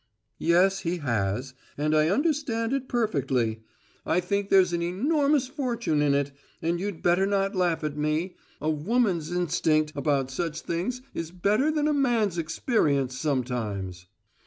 "Yes, he has; and I understand it perfectly. I think there's an enormous fortune in it, and you'd better not laugh at me: a woman's instinct about such things is better than a man's experience sometimes."